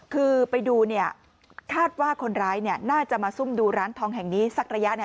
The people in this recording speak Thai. คือไปดูคาดว่าคนร้ายน่าจะมาซุ่มดูร้านทองแห่งนี้สักระยะ